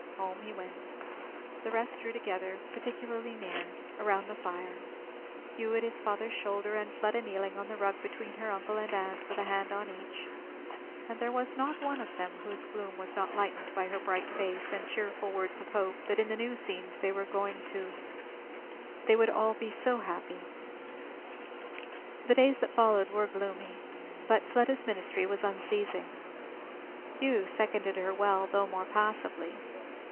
Home he went. The rest drew together particularly near, round the fire; Hugh at his father's shoulder, and Fleda kneeling on the rug between her uncle and aunt with a hand on each; and there was not one of them whose gloom was not lightened by her bright face and cheerful words of hope that in the new scenes they were going to, "they would all be so happy." The days that followed were gloomy; but Fleda's ministry was unceasing. Hugh seconded her well, though more passively.